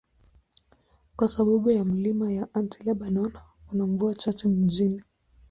Kwa sababu ya milima ya Anti-Lebanon, kuna mvua chache mjini.